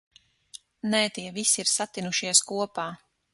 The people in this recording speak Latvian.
Nē, tie visi ir satinušies kopā.